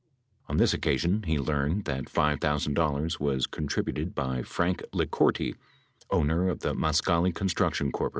On this occasion he learned that $5,000 was contributed by Frank Licourti, owner of the Mascali Construction Corp.